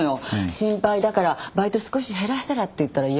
心配だからバイト少し減らしたらって言ったら嫌だって。